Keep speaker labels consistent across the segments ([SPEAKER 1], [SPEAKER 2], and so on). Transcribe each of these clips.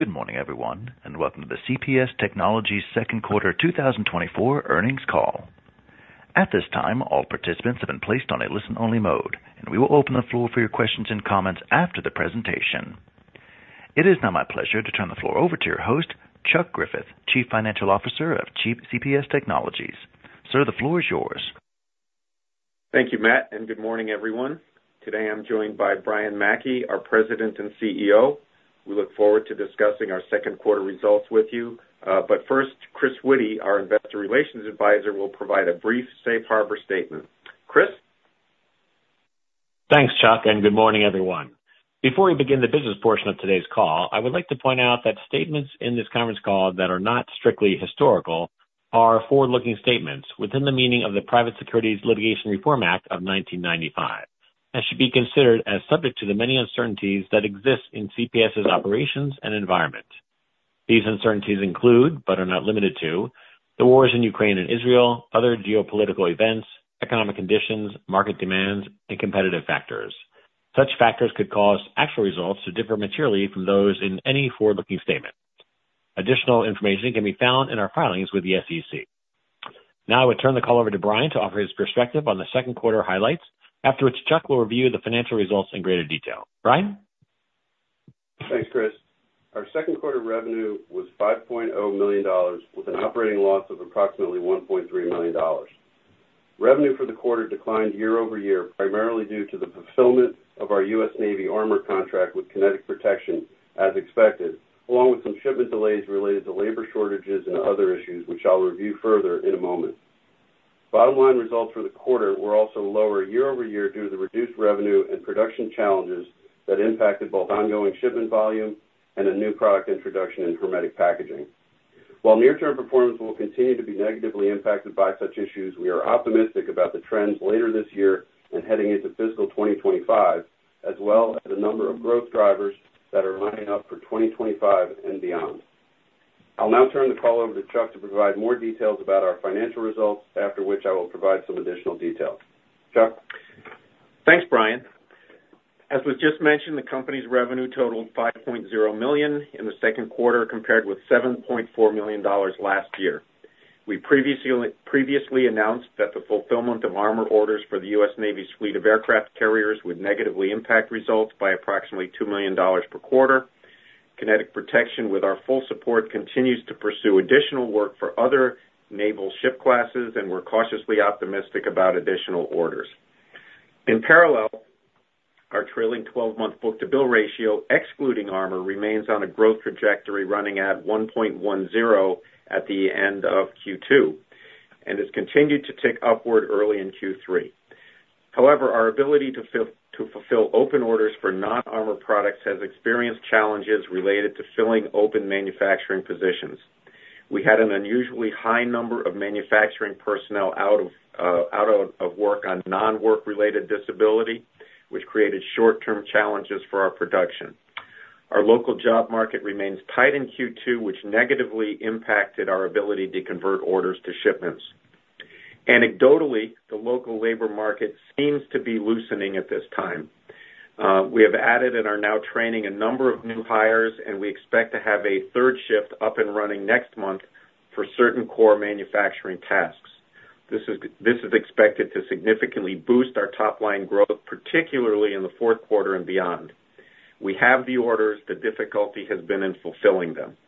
[SPEAKER 1] Good morning, everyone, and welcome to the CPS Technologies' second quarter 2024 earnings call. At this time, all participants have been placed on a listen-only mode, and we will open the floor for your questions and comments after the presentation. It is now my pleasure to turn the floor over to your host, Chuck Griffith, Chief Financial Officer of CPS Technologies. Sir, the floor is yours.
[SPEAKER 2] Thank you, Matt, and good morning, everyone. Today I'm joined by Brian Mackey, our President and CEO. We look forward to discussing our second quarter results with you. But first, Chris Witty, our Investor Relations Advisor, will provide a brief safe harbor statement. Chris?
[SPEAKER 3] Thanks, Chuck, and good morning, everyone. Before we begin the business portion of today's call, I would like to point out that statements in this conference call that are not strictly historical are forward-looking statements within the meaning of the Private Securities Litigation Reform Act of 1995 and should be considered as subject to the many uncertainties that exist in CPS's operations and environment. These uncertainties include, but are not limited to, the wars in Ukraine and Israel, other geopolitical events, economic conditions, market demands, and competitive factors. Such factors could cause actual results to differ materially from those in any forward-looking statement. Additional information can be found in our filings with the SEC. Now I would turn the call over to Brian to offer his perspective on the second quarter highlights, after which Chuck will review the financial results in greater detail. Brian?
[SPEAKER 2] Thanks, Chris. Our second quarter revenue was $5.0 million with an operating loss of approximately $1.3 million. Revenue for the quarter declined year-over-year, primarily due to the fulfillment of our U.S. Navy armor contract with Kinetic Protection, as expected, along with some shipment delays related to labor shortages and other issues, which I'll review further in a moment. Bottom-line results for the quarter were also lower year-over-year due to the reduced revenue and production challenges that impacted both ongoing shipment volume and a new product introduction in hermetic packaging. While near-term performance will continue to be negatively impacted by such issues, we are optimistic about the trends later this year and heading into fiscal 2025, as well as the number of growth drivers that are lining up for 2025 and beyond. I'll now turn the call over to Chuck to provide more details about our financial results, after which I will provide some additional detail. Chuck?
[SPEAKER 3] Thanks, Brian. As was just mentioned, the company's revenue totaled $5.0 million in the second quarter, compared with $7.4 million last year. We previously announced that the fulfillment of armor orders for the U.S. Navy's fleet of aircraft carriers would negatively impact results by approximately $2 million per quarter. Kinetic Protection, with our full support, continues to pursue additional work for other naval ship classes, and we're cautiously optimistic about additional orders. In parallel, our trailing 12-month book-to-bill ratio, excluding armor, remains on a growth trajectory running at 1.10 at the end of Q2 and has continued to tick upward early in Q3. However, our ability to fulfill open orders for non-armor products has experienced challenges related to filling open manufacturing positions. We had an unusually high number of manufacturing personnel out of work on non-work-related disability, which created short-term challenges for our production. Our local job market remains tight in Q2, which negatively impacted our ability to convert orders to shipments. Anecdotally, the local labor market seems to be loosening at this time. We have added and are now training a number of new hires, and we expect to have a third shift up and running next month for certain core manufacturing tasks. This is expected to significantly boost our top-line growth, particularly in the fourth quarter and beyond. We have the orders; the difficulty has been in fulfilling them.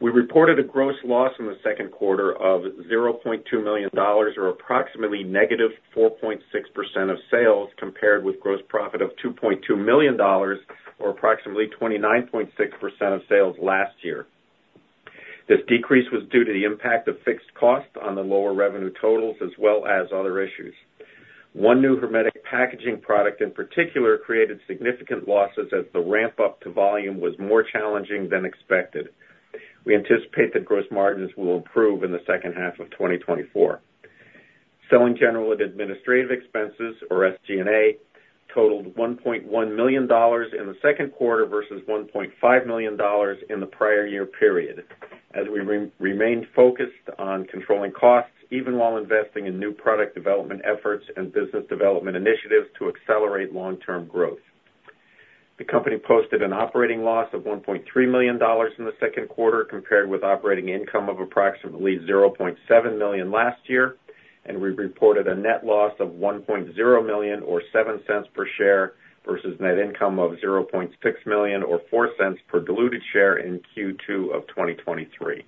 [SPEAKER 3] We reported a gross loss in the second quarter of $0.2 million, or approximately -4.6% of sales, compared with gross profit of $2.2 million, or approximately 29.6% of sales last year. This decrease was due to the impact of fixed costs on the lower revenue totals, as well as other issues. One new hermetic packaging product, in particular, created significant losses as the ramp-up to volume was more challenging than expected. We anticipate that gross margins will improve in the second half of 2024. Selling, general, and administrative expenses, or SG&A, totaled $1.1 million in the second quarter versus $1.5 million in the prior year period, as we remained focused on controlling costs even while investing in new product development efforts and business development initiatives to accelerate long-term growth. The company posted an operating loss of $1.3 million in the second quarter, compared with operating income of approximately $0.7 million last year, and we reported a net loss of $1.0 million, or $0.07 per share, versus net income of $0.6 million, or $0.04 per diluted share in Q2 of 2023.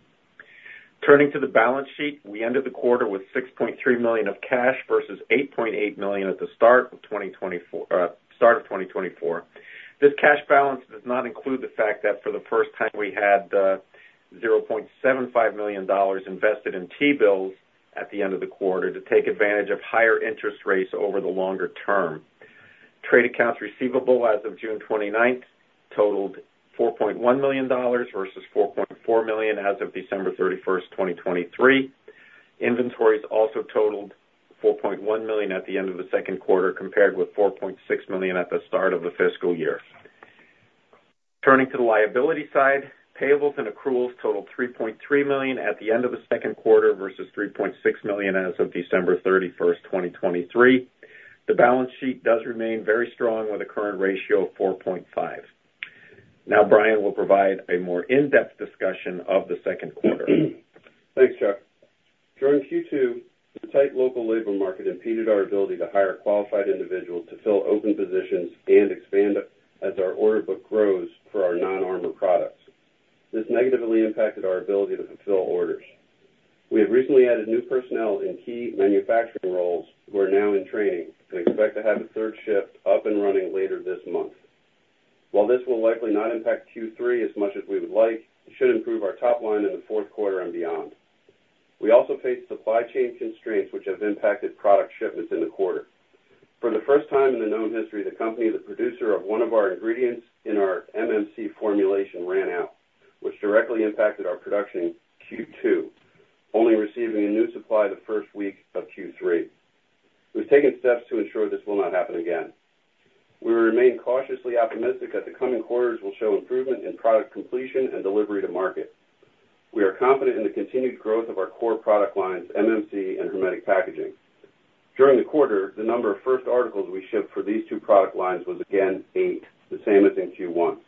[SPEAKER 3] Turning to the balance sheet, we ended the quarter with $6.3 million of cash versus $8.8 million at the start of 2024. This cash balance does not include the fact that for the first time we had $0.75 million invested in T-bills at the end of the quarter to take advantage of higher interest rates over the longer term. Trade accounts receivable as of June 29th totaled $4.1 million versus $4.4 million as of December 31st, 2023. Inventories also totaled $4.1 million at the end of the second quarter, compared with $4.6 million at the start of the fiscal year. Turning to the liability side, payables and accruals totaled $3.3 million at the end of the second quarter versus $3.6 million as of December 31st, 2023. The balance sheet does remain very strong with a current ratio of 4.5. Now Brian will provide a more in-depth discussion of the second quarter.
[SPEAKER 2] Thanks, Chuck. During Q2, the tight local labor market impeded our ability to hire qualified individuals to fill open positions and expand as our order book grows for our non-armor products. This negatively impacted our ability to fulfill orders. We have recently added new personnel in key manufacturing roles who are now in training and expect to have a third shift up and running later this month. While this will likely not impact Q3 as much as we would like, it should improve our top line in the fourth quarter and beyond. We also face supply chain constraints, which have impacted product shipments in the quarter. For the first time in the known history of the company, a producer of one of our ingredients in our MMC formulation ran out, which directly impacted our production in Q2, only receiving a new supply the first week of Q3. We've taken steps to ensure this will not happen again. We remain cautiously optimistic that the coming quarters will show improvement in product completion and delivery to market. We are confident in the continued growth of our core product lines, MMC and hermetic packaging. During the quarter, the number of first articles we shipped for these two product lines was again eight, the same as in Q1.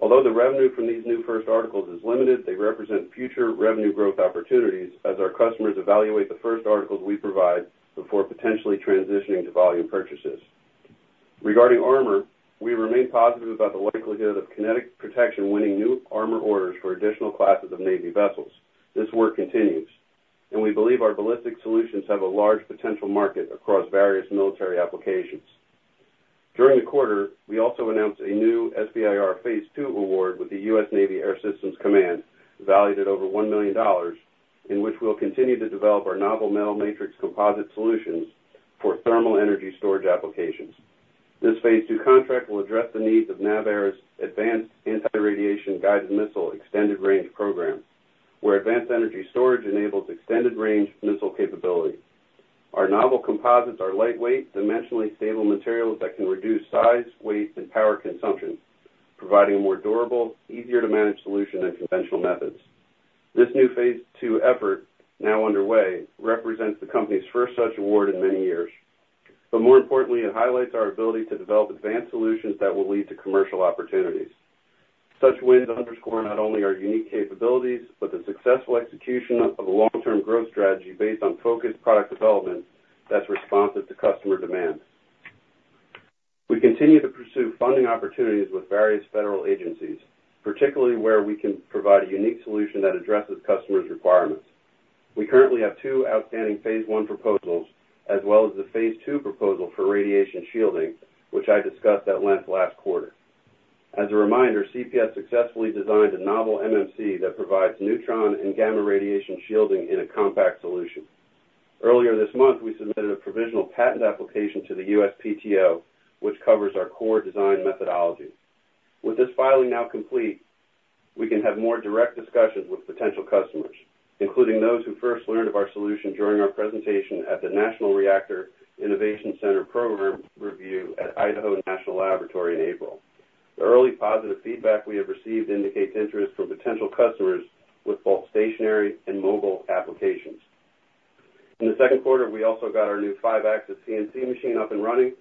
[SPEAKER 2] Although the revenue from these new first articles is limited, they represent future revenue growth opportunities as our customers evaluate the first articles we provide before potentially transitioning to volume purchases. Regarding armor, we remain positive about the likelihood of Kinetic Protection winning new armor orders for additional classes of navy vessels. This work continues, and we believe our ballistic solutions have a large potential market across various military applications. During the quarter, we also announced a new SBIR phase II award with the U.S. Navy Air Systems Command, valued at over $1 million, in which we'll continue to develop our novel metal matrix composite solutions for thermal energy storage applications. This phase II contract will address the needs of NAVAIR's Advanced Anti-Radiation Guided Missile Extended Range program, where advanced energy storage enables extended-range missile capability. Our novel composites are lightweight, dimensionally stable materials that can reduce size, weight, and power consumption, providing a more durable, easier-to-manage solution than conventional methods. This new phase II effort, now underway, represents the company's first such award in many years. But more importantly, it highlights our ability to develop advanced solutions that will lead to commercial opportunities. Such wins underscore not only our unique capabilities, but the successful execution of a long-term growth strategy based on focused product development that's responsive to customer demand. We continue to pursue funding opportunities with various federal agencies, particularly where we can provide a unique solution that addresses customers' requirements. We currently have two outstanding phase I proposals, as well as the phase II proposal for radiation shielding, which I discussed at length last quarter. As a reminder, CPS successfully designed a novel MMC that provides neutron and gamma radiation shielding in a compact solution. Earlier this month, we submitted a provisional patent application to the U.S. PTO, which covers our core design methodology. With this filing now complete, we can have more direct discussions with potential customers, including those who first learned of our solution during our presentation at the National Reactor Innovation Center program review at Idaho National Laboratory in April. The early positive feedback we have received indicates interest from potential customers with both stationary and mobile applications. In the second quarter, we also got our new five-axis CNC machine up and running,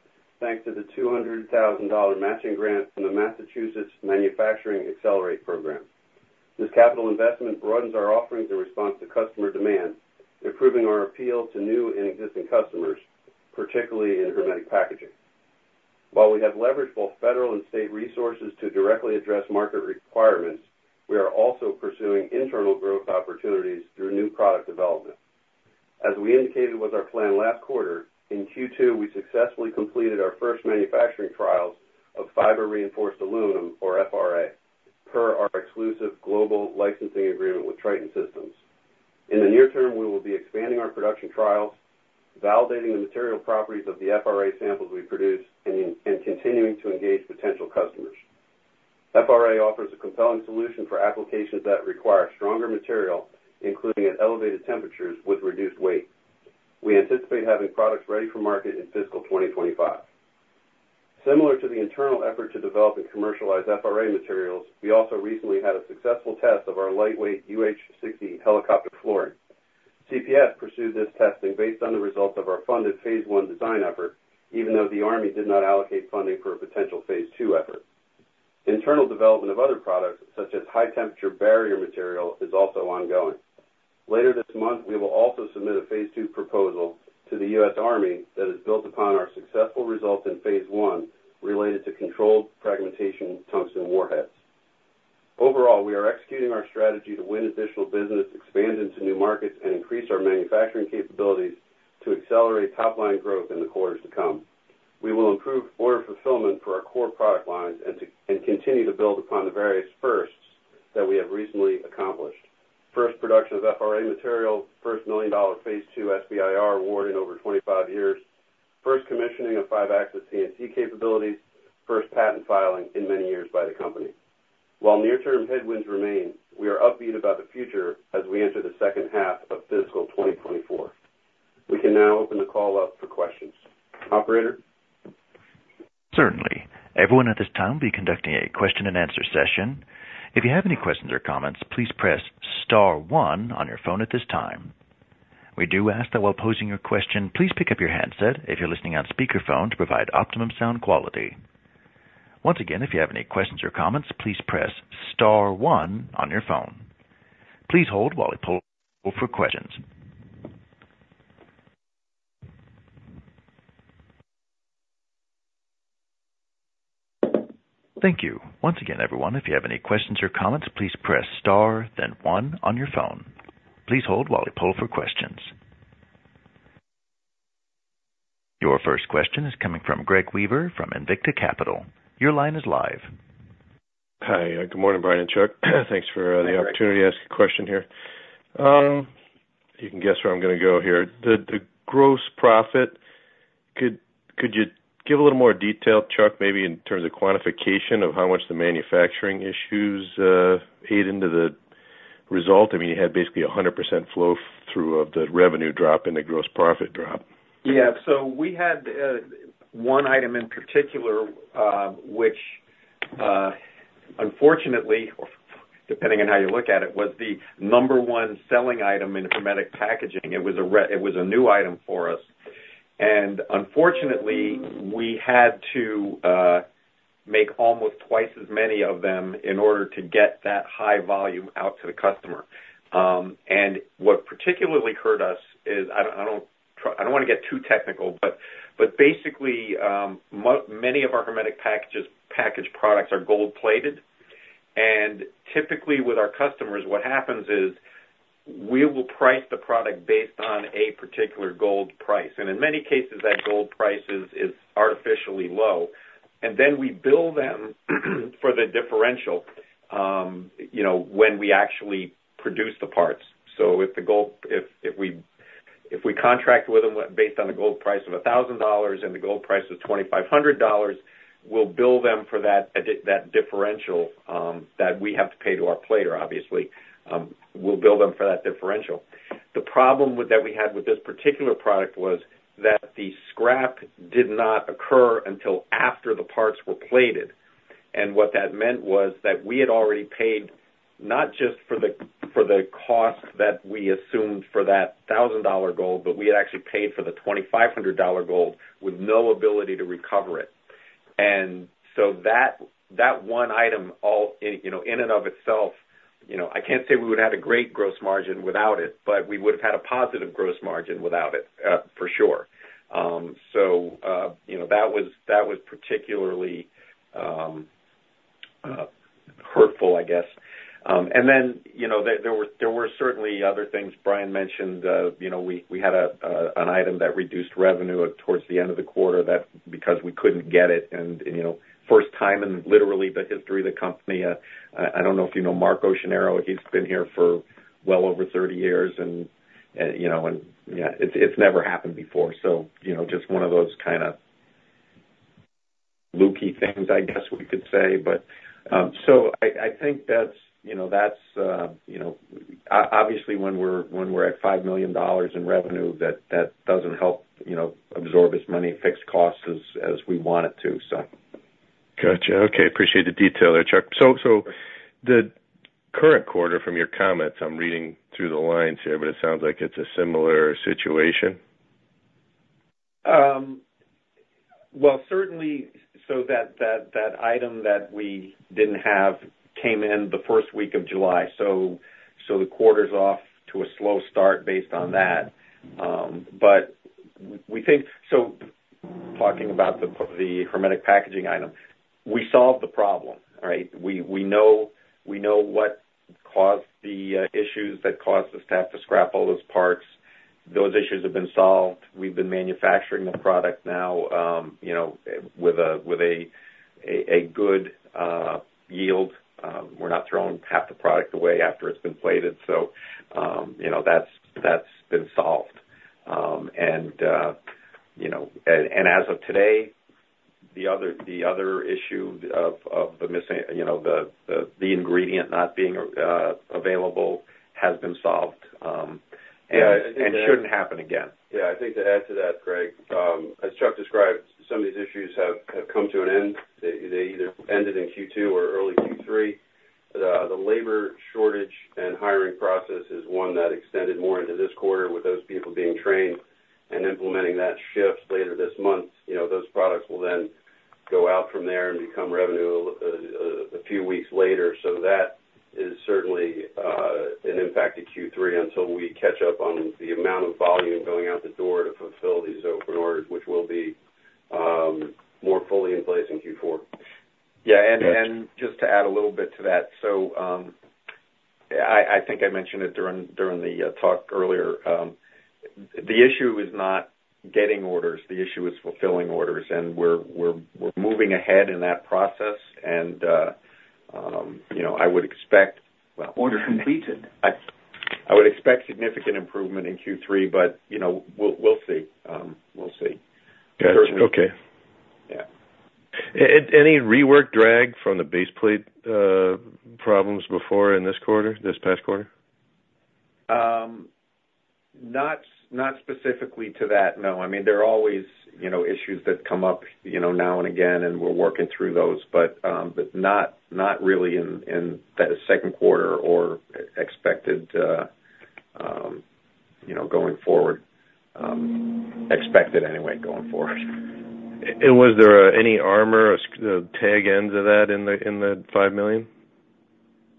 [SPEAKER 2] thanks to the $200,000 matching grant from the Massachusetts Manufacturing Accelerate Program. This capital investment broadens our offerings in response to customer demand, improving our appeal to new and existing customers, particularly in hermetic packaging. While we have leveraged both federal and state resources to directly address market requirements, we are also pursuing internal growth opportunities through new product development. As we indicated with our plan last quarter, in Q2, we successfully completed our first manufacturing trials of Fiber-Reinforced Aluminum, or FRA, per our exclusive global licensing agreement with Triton Systems. In the near term, we will be expanding our production trials, validating the material properties of the FRA samples we produce, and continuing to engage potential customers. FRA offers a compelling solution for applications that require stronger material, including at elevated temperatures with reduced weight. We anticipate having products ready for market in fiscal 2025. Similar to the internal effort to develop and commercialize FRA materials, we also recently had a successful test of our lightweight UH-60 helicopter flooring. CPS pursued this testing based on the results of our funded phase I design effort, even though the Army did not allocate funding for a potential phase II effort. Internal development of other products, such as high-temperature barrier material, is also ongoing. Later this month, we will also submit a phase II proposal to the U.S. Army that is built upon our successful results in phase I related to controlled fragmentation tungsten warheads. Overall, we are executing our strategy to win additional business, expand into new markets, and increase our manufacturing capabilities to accelerate top-line growth in the quarters to come. We will improve order fulfillment for our core product lines and continue to build upon the various firsts that we have recently accomplished: first production of FRA material, first $1 million phase II SBIR award in over 25 years, first commissioning of five-axis CNC capabilities, first patent filing in many years by the company. While near-term headwinds remain, we are upbeat about the future as we enter the second half of fiscal 2024. We can now open the call up for questions. Operator?
[SPEAKER 1] Certainly. Everyone at this time will be conducting a question-and-answer session. If you have any questions or comments, please press star one on your phone at this time. We do ask that while posing your question, please pick up your headset if you're listening on speakerphone to provide optimum sound quality. Once again, if you have any questions or comments, please press star one on your phone. Please hold while we poll for questions. Thank you. Once again, everyone, if you have any questions or comments, please press star, then one on your phone. Please hold while we poll for questions. Your first question is coming from Greg Weaver from Invicta Capital. Your line is live.
[SPEAKER 4] Hi. Good morning, Brian and Chuck. Thanks for the opportunity to ask a question here. You can guess where I'm going to go here. The gross profit, could you give a little more detail, Chuck, maybe in terms of quantification of how much the manufacturing issues ate into the result? I mean, you had basically 100% flow-through of the revenue drop and the gross profit drop.
[SPEAKER 3] Yeah. So we had one item in particular which, unfortunately, or depending on how you look at it, was the number one selling item in hermetic packaging. It was a new item for us. And unfortunately, we had to make almost twice as many of them in order to get that high volume out to the customer. And what particularly hurt us is. I don't want to get too technical, but basically, many of our hermetic package products are gold-plated. And typically, with our customers, what happens is we will price the product based on a particular gold price. And in many cases, that gold price is artificially low. And then we bill them for the differential when we actually produce the parts. So if we contract with them based on a gold price of $1,000 and the gold price is $2,500, we'll bill them for that differential that we have to pay to our plater, obviously. We'll bill them for that differential. The problem that we had with this particular product was that the scrap did not occur until after the parts were plated. And what that meant was that we had already paid not just for the cost that we assumed for that $1,000 gold, but we had actually paid for the $2,500 gold with no ability to recover it. And so that one item, in and of itself, I can't say we would have had a great gross margin without it, but we would have had a positive gross margin without it, for sure. So that was particularly hurtful, I guess. And then there were certainly other things. Brian mentioned we had an item that reduced revenue towards the end of the quarter because we couldn't get it. First time in literally the history of the company. I don't know if you know Mark Occhionero. He's been here for well over 30 years. Yeah, it's never happened before. So just one of those kind of low-key things, I guess we could say. But so I think that's obviously when we're at $5 million in revenue, that doesn't help absorb as many fixed costs as we want it to, so.
[SPEAKER 4] Gotcha. Okay. Appreciate the detail there, Chuck. So the current quarter from your comments, I'm reading through the lines here, but it sounds like it's a similar situation.
[SPEAKER 3] Well, certainly. So that item that we didn't have came in the first week of July. So the quarter's off to a slow start based on that. But we think, so talking about the hermetic packaging item, we solved the problem, right? We know what caused the issues that caused us to have to scrap all those parts. Those issues have been solved. We've been manufacturing the product now with a good yield. We're not throwing half the product away after it's been plated. So that's been solved. And as of today, the other issue of the ingredient not being available has been solved and shouldn't happen again.
[SPEAKER 2] Yeah. I think to add to that, Greg, as Chuck described, some of these issues have come to an end. They either ended in Q2 or early Q3. The labor shortage and hiring process is one that extended more into this quarter with those people being trained and implementing that shift later this month. Those products will then go out from there and become revenue a few weeks later. So that is certainly an impact to Q3 until we catch up on the amount of volume going out the door to fulfill these open orders, which will be more fully in place in Q4.
[SPEAKER 3] Yeah. And just to add a little bit to that, so I think I mentioned it during the talk earlier. The issue is not getting orders. The issue is fulfilling orders. And we're moving ahead in that process. And I would expect.
[SPEAKER 4] Order completed.
[SPEAKER 3] I would expect significant improvement in Q3, but we'll see. We'll see.
[SPEAKER 4] Okay. Any rework drag from the baseplate problems before in this quarter, this past quarter?
[SPEAKER 3] Not specifically to that, no. I mean, there are always issues that come up now and again, and we're working through those, but not really in the second quarter or expected going forward. Expected anyway, going forward.
[SPEAKER 4] Was there any armor, the backlog of that in the $5 million?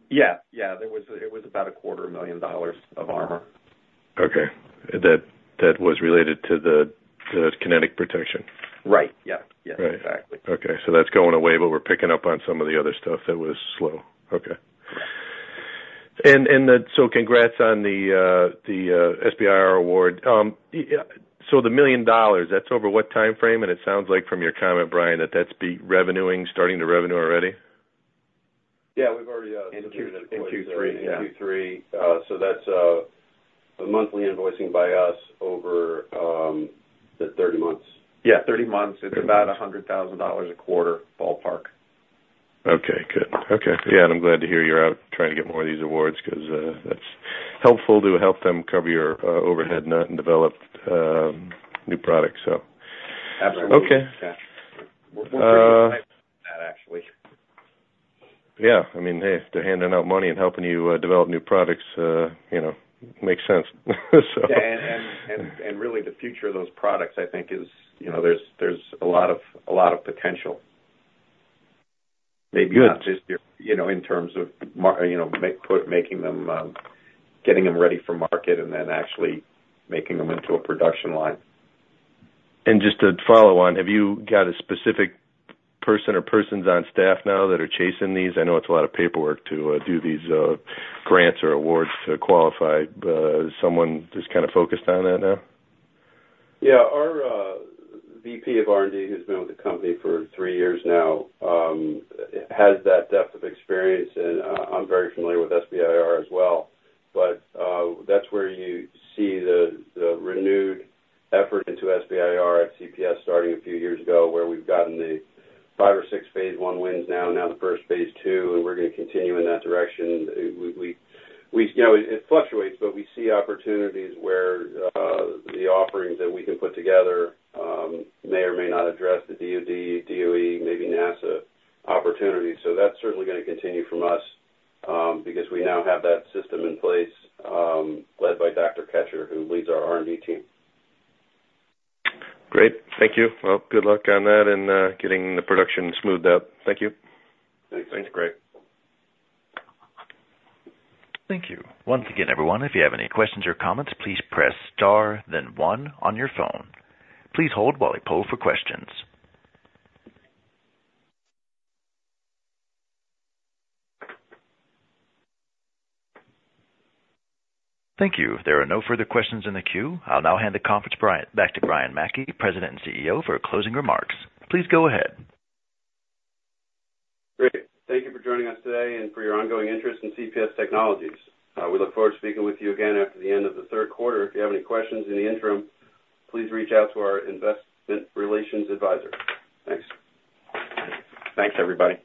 [SPEAKER 3] Yeah. Yeah. It was about $250,000 of armor.
[SPEAKER 4] Okay. That was related to the Kinetic Protection.
[SPEAKER 3] Right. Yeah. Yeah. Exactly.
[SPEAKER 4] Okay. So that's going away, but we're picking up on some of the other stuff that was slow. Okay. And so congrats on the SBIR award. So the $1 million, that's over what timeframe? And it sounds like from your comment, Brian, that that's revenuing, starting to revenue already?
[SPEAKER 2] Yeah. We've already secured it in Q3. That's a monthly invoicing by us over the 30 months.
[SPEAKER 3] Yeah. 30 months. It's about $100,000 a quarter, ballpark.
[SPEAKER 4] Okay. Good. Okay. Yeah. And I'm glad to hear you're out trying to get more of these awards because that's helpful to help them cover your overhead and develop new products, so.
[SPEAKER 3] Absolutely. We're pretty excited about that, actually.
[SPEAKER 4] Yeah. I mean, hey, they're handing out money and helping you develop new products. Makes sense, so.
[SPEAKER 3] Yeah. And really, the future of those products, I think, is there's a lot of potential. Maybe not just in terms of making them, getting them ready for market, and then actually making them into a production line.
[SPEAKER 4] Just to follow on, have you got a specific person or persons on staff now that are chasing these? I know it's a lot of paperwork to do these grants or awards to qualify. Someone just kind of focused on that now?
[SPEAKER 2] Yeah. Our VP of R&D, who's been with the company for three years now, has that depth of experience. And I'm very familiar with SBIR as well. But that's where you see the renewed effort into SBIR at CPS starting a few years ago, where we've gotten the five or six phase I wins now, now the first phase II, and we're going to continue in that direction. It fluctuates, but we see opportunities where the offerings that we can put together may or may not address the DOD, DOE, maybe NASA opportunities. So that's certainly going to continue from us because we now have that system in place led by Dr. Kachur, who leads our R&D team.
[SPEAKER 4] Great. Thank you. Well, good luck on that and getting the production smoothed up. Thank you.
[SPEAKER 2] Thanks, Greg.
[SPEAKER 1] Thank you. Once again, everyone, if you have any questions or comments, please press star, then one on your phone. Please hold while we pull for questions. Thank you. There are no further questions in the queue. I'll now hand the conference back to Brian Mackey, President and CEO, for closing remarks. Please go ahead.
[SPEAKER 2] Great. Thank you for joining us today and for your ongoing interest in CPS Technologies. We look forward to speaking with you again after the end of the third quarter. If you have any questions in the interim, please reach out to our Investor relations advisor. Thanks.
[SPEAKER 3] Thanks, everybody.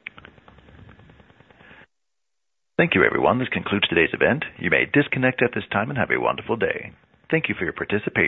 [SPEAKER 1] Thank you, everyone. This concludes today's event. You may disconnect at this time and have a wonderful day. Thank you for your participation.